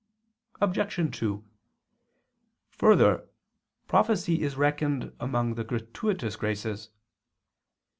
Obj. 2: Further, prophecy is reckoned among the gratuitous graces.